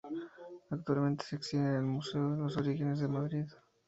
Actualmente se exhiben en el Museo de los Orígenes, de Madrid.